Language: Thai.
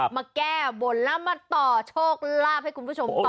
มาแก้บนแล้วมาต่อโชคลาภให้คุณผู้ชมต่อ